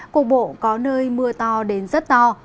cục bộ có nơi mưa to đến rất to